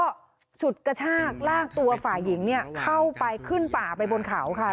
ก็ฉุดกระชากลากตัวฝ่ายหญิงเนี่ยเข้าไปขึ้นป่าไปบนเขาค่ะ